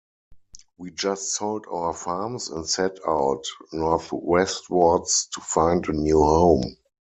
We just sold our farms and set out northwestwards to find a new home.